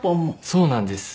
そうなんです。